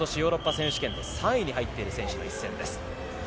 この人は今年、ヨーロッパ選手権３位に入っている選手との一戦です。